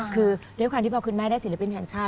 คือด้วยความที่พอคุณแม่ได้ศิลปินแห่งชาติ